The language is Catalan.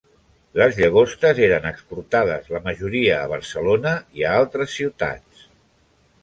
Les llagostes eren exportades la majoria a Barcelona i a altres ciutats.